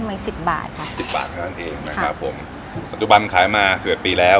ใหม่สิบบาทค่ะสิบบาทนั่นเองนะครับผมครับจุดบันขายมาสิบเอ็ดปีแล้ว